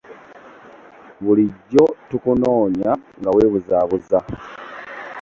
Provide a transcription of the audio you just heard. Bulijjo tukunoonya nga weebuzaabuza.